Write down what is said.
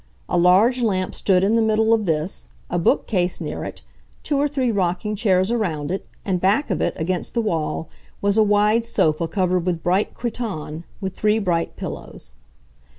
A large lamp stood in the middle of this, a bookcase near it, two or three rocking chairs around it, and back of it, against the wall, was a wide sofa covered with bright cretonne, with three bright pillows.